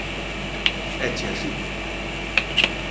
Eche así.